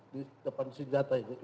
di depan senjata ini